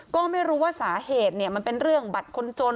ก็ไม่รู้ว่าสาเหตุมันเป็นเรื่องบัตรคนจน